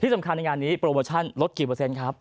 สำคัญในงานนี้โปรโมชั่นลดกี่เปอร์เซ็นต์ครับ